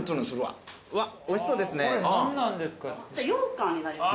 ようかんになります。